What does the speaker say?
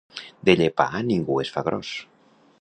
De llepar ningú es fa gros.